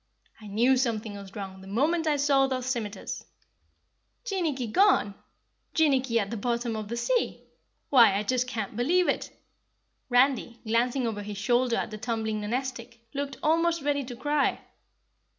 "I knew something was wrong the moment I saw those scimiters." "Jinnicky gone! Jinnicky at the bottom of the sea? Why, I just can't believe it!" Randy, glancing over his shoulder at the tumbling Nonestic, looked almost ready to cry.